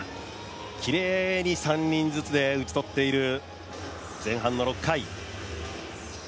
きれいに３人ずつで打ち取っている前半の６回。